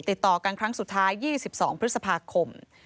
ติดต่อกันครั้งสุดท้าย๒๒พฤษภาคม